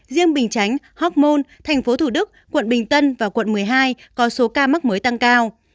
riêng bình chánh hoc mon tp hcm quận bình tân và quận một mươi hai có số ca mắc mới tăng cao